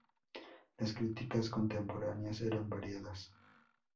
Las críticas contemporáneas eran variadas.